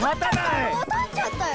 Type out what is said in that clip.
たっちゃったよ。